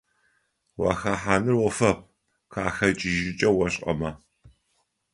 Уахэхьаныр Iофэп къахэкIыжьыкIэ ошIэмэ.